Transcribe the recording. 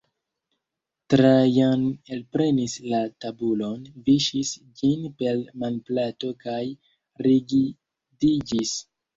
Trajan elprenis la tabulon, viŝis ĝin per manplato kaj rigidiĝis.